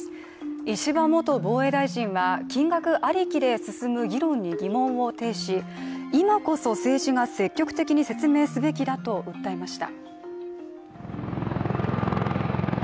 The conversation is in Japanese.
石破元防衛大臣は金額ありきで進む議論に疑問を呈し、今こそ政治が積極的に説明すべきだと訴えました。